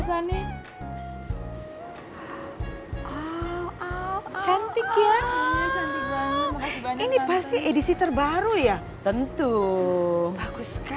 cantik ya ini pasti edisi terbaru ya tentu